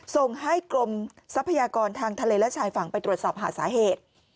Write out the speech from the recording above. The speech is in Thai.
ส่งให้กรมทรัพยากรทางทะเลและชายฝั่งไปตรวจสอบหาสาเหตุ